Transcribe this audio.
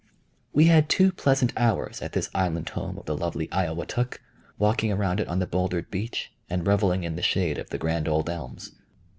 We had two pleasant hours at this island home of the lovely Iowatuk, walking around it on the bowldered beach, and reveling in the shade of the grand old elms.